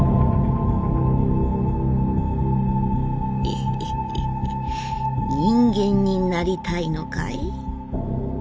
「ヒヒヒ人間になりたいのかい？